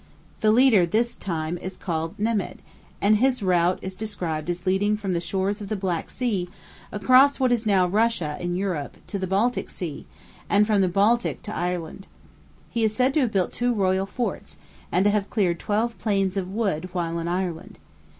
The leader this time is called Nemedh, and his route is described as leading from the shores of the Black Sea, across what is now Russia in Europe, to the Baltic Sea, and from the Baltic to Ireland. He is said to have built two royal forts, and to have "cleared twelve plains of wood" while in Ireland.